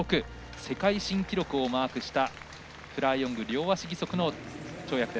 世界新記録をマークしたフラー・ヨング、両足義足の跳躍。